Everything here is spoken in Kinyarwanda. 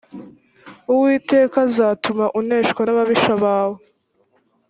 uwiteka azatuma uneshwa n ababisha bawe